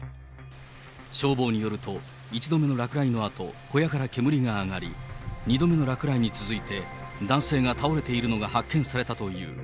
消防によると、一度目の落雷のあと、小屋から煙が上がり、２度目の落雷に続いて、男性が倒れているのが発見されたという。